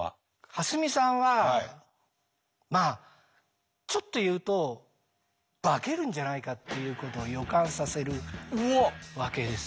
蓮見さんはまあちょっと言うと化けるんじゃないかっていうことを予感させるわけですよ。